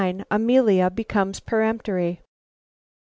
AMELIA BECOMES PEREMPTORY.